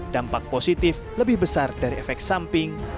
dampak positif lebih besar dari efek samping